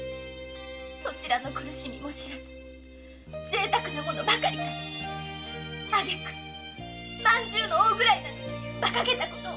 そちらの苦しみも知らずぜいたくな物ばかり食らいあげく饅頭の大食らいなどばかげた事を。